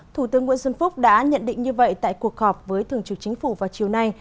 thủ tướng nguyễn xuân phúc đã nhận định như vậy tại cuộc họp với thường trực chính phủ vào chiều nay